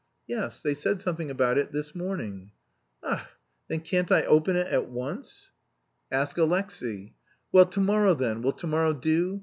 "Yes... they said something about it this morning." "Ach, then can't I open it at once!..." "Ask Alexey." "Well, to morrow, then, will to morrow do?